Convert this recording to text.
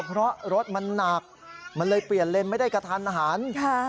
เพราะรถมันนักมันเลยเปลี่ยนเลนไม่ได้กับทานอาหาร